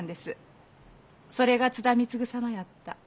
それが津田貢様やった。